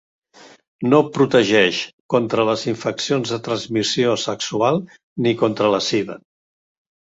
No protegeix contra les infeccions de transmissió sexual ni contra la sida.